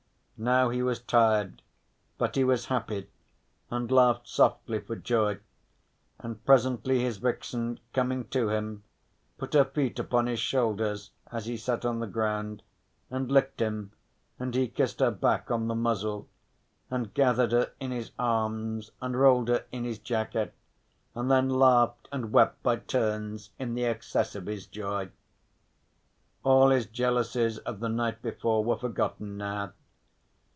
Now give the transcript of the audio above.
Now he was tired, but he was happy and laughed softly for joy, and presently his vixen, coming to him, put her feet upon his shoulders as he sat on the ground, and licked him, and he kissed her back on the muzzle and gathered her in his arms and rolled her in his jacket and then laughed and wept by turns in the excess of his joy. All his jealousies of the night before were forgotten now.